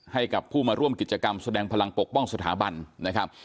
ให้กับผู้มาร่วมกิจกรรมแสดงพลังปกป้องสถาบันนะครับ